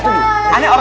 tidak aneh gak setuju